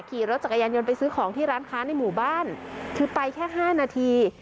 ขี่รถจักรยานยนต์ไปซื้อของที่ร้านค้าในหมู่บ้านคือไปแค่ห้านาที